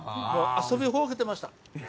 遊びほうけてました。